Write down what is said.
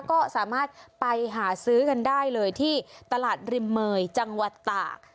ก็สามารถไปหาซื้อกันได้เลยที่ตลาดริมเมยจังหวัดตาก